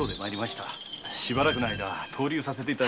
しばらくの間逗留させていただきます。